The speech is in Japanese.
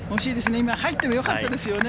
今のは入ってもよかったですね。